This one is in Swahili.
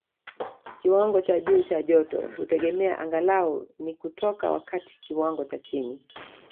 Kiwango cha juu cha joto hutegemea angalau ni kutoka wakati kiwango cha chini